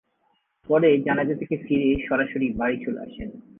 পরে জানাজা থেকে ফিরে সরাসরি বাড়ি চলে আসেন।